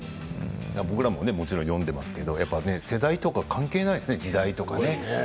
僕らももちろん読んでいますけれども世代とか関係ないですね時代とかもね。